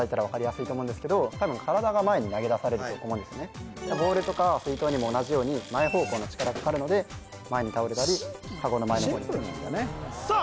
皆さんはいボールとか水とうにも同じように前方向の力がかかるので前に倒れたりカゴの前の方にいくシンプルなんだねさあ